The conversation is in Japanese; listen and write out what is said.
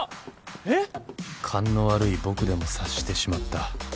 勘の悪い僕でも察してしまった。